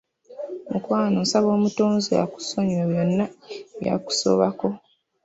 Mukwano nsaba Omutonzi akusonyiwe byonna ebyakusobako!